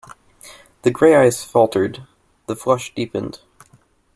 The gray eyes faltered; the flush deepened.